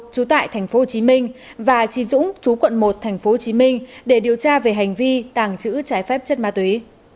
trú tại tp hcm và trí dũng chú quận một tp hcm để điều tra về hành vi tàng trữ trái phép chất ma túy